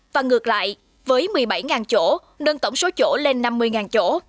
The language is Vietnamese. và ngược lại với một mươi bảy chỗ nâng tổng số chỗ lên năm mươi chỗ